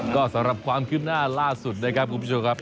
ก็สำหรับความคืบหน้าล่าสุดนะครับคุณผู้ชมครับ